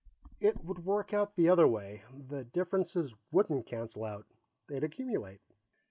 "It would work out the other way. The differences wouldn't cancel out; they'd accumulate.